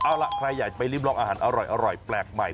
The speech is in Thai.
เอาล่ะใครอยากไปริมลองอาหารอร่อยแปลกใหม่